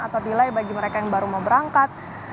atau delay bagi mereka yang baru mau berangkat